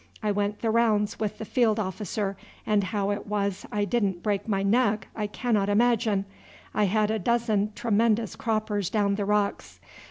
I went the rounds with the field officer, and how it was I didn't break my neck I cannot imagine. I had a dozen tremendous croppers down the rocks.